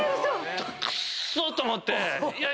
クッソ！と思って。